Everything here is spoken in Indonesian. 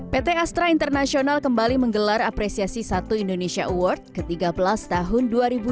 pt astra international kembali menggelar apresiasi satu indonesia award ke tiga belas tahun dua ribu dua puluh